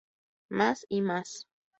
Más y más.